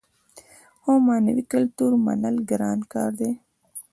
خو معنوي کلتور منل ګران کار دی.